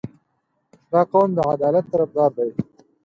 • دا قوم د عدالت طرفدار دی.